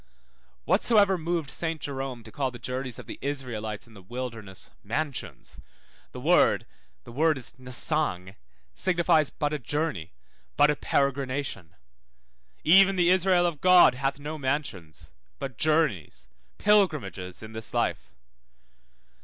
Whatsoever moved Saint Jerome to call the journeys of the Israelites in the wilderness, 1111 Exod. 17:1. mansions; the word (the word is nasang) signifies but a journey, but a peregrination. Even the Israel of God hath no mansions, but journeys, pilgrimages in this life.